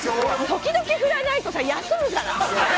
時々振らないとさ休むから！